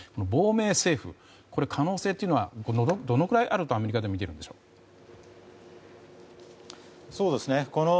亡命政府これ、可能性というのはどのくらいあるとアメリカではみているのでしょうか。